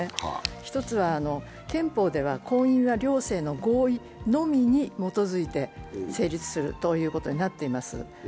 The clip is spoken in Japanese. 一つは憲法では婚姻は両性の合意のみに基づいて成立するということになっています。